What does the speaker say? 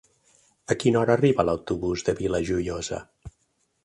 A quina hora arriba l'autobús de la Vila Joiosa?